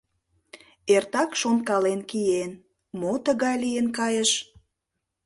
Эртак шонкален киен: мо тыгай лийын кайыш?